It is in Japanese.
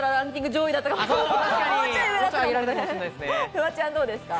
フワちゃんどうですか？